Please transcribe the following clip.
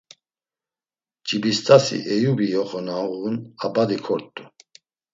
Cibist̆asi Eyubi yoxo na uğun a badi kort̆u.